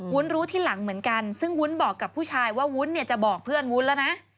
รู้ที่หลังเหมือนกันซึ่งวุ้นบอกกับผู้ชายว่าวุ้นเนี่ยจะบอกเพื่อนวุ้นแล้วนะ